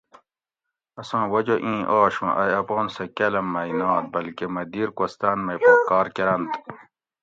اساں وجہ اِیں آش اُوں ائی اپان سہ کالام مئی نات بلکہ مۤہ دیر کوہستان مئی پا کار کۤرنت